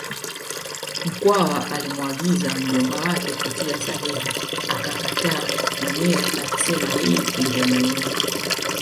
Mkwawa alimwagiza mjomba wake kutia sahihi akakataa mwenyewe akisema hii ingemuua